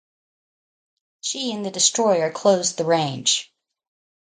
She and the destroyer closed the range.